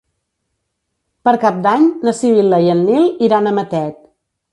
Per Cap d'Any na Sibil·la i en Nil iran a Matet.